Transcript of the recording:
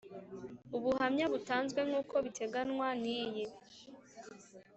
Ubuhamya butanzwe nk uko biteganwa n iyi